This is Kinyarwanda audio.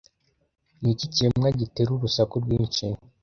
Niki kiremwa gitera urusaku rwinshi